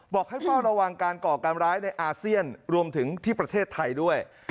บอกให้เฝ้าระวังการก่อการร้ายในอาเซียนรวมถึงที่ประเทศไทยด้วย